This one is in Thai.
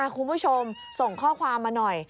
คุณผู้ชมส่งข้อความมาหน่อย